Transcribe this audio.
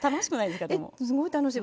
すごい楽しい。